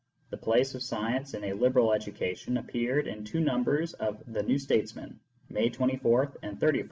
The Place of Science in a Liberal Education " appeared in two numbers of The New Statesman, May 24 and 31, 1913.